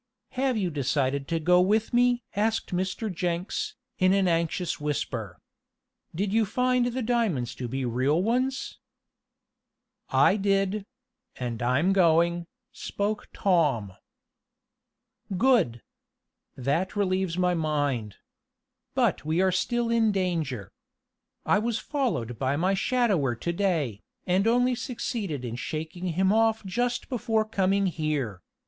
"Have you decided to go with me?" asked Mr. Jenks, in an anxious whisper. "Did you find the diamonds to be real ones?" "I did; and I'm going," spoke Tom. "Good! That relieves my mind. But we are still in danger. I was followed by my shadower to day, and only succeeded in shaking him off just before coming here.